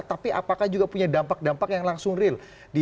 tapi apakah juga punya dampak dampak yang langsung real